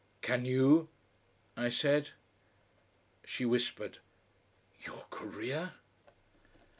"Can you?" I said. She whispered. "Your career?"